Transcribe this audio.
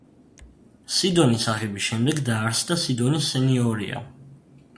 სიდონის აღების შემდეგ დაარსდა სიდონის სენიორია.